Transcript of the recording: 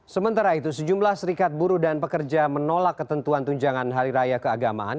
sementara itu sejumlah serikat buruh dan pekerja menolak ketentuan tunjangan hari raya keagamaan